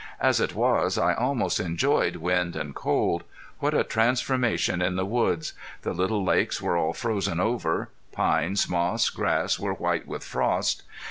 As it was I almost enjoyed wind and cold. What a transformation in the woods! The little lakes were all frozen over; pines, moss, grass were white with frost.